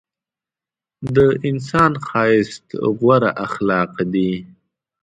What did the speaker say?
د انسان ښایست غوره اخلاق دي.